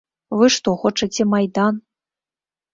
Вы што, хочаце майдан?